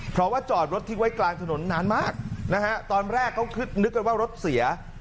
เพราะว่าจอดรถทิ้งไว้กลางถนนนานมากนะฮะตอนแรกเขานึกกันว่ารถเสีย